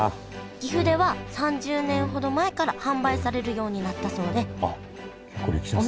岐阜では３０年ほど前から販売されるようになったそうであっ結構歴史浅いんだ。